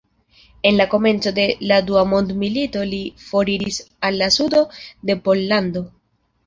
En la komenco de la Dua mondmilito li foriris al la sudo de Pollando.